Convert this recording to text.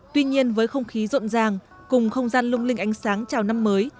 tuy nhiên với không khí rộn ràng cùng không gian lung linh ánh sáng chào năm mới